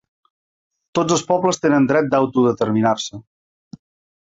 Tots els pobles tenen dret d’autodeterminar-se.